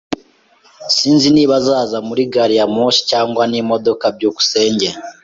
Sinzi niba azaza muri gari ya moshi cyangwa n'imodoka. byukusenge